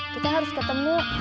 kita harus ketemu